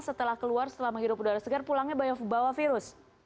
setelah keluar setelah menghirup udara segar pulangnya bawa virus